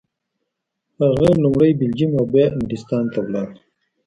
هغه لومړی بلجیم او بیا انګلستان ته ولاړ.